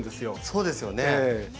そうですよね。